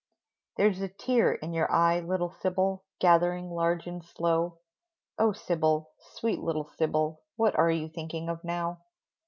There's a tear in your eye, little Sybil, Gathering large and slow; Oh, Sybil, sweet little Sybil, What are you thinking of now?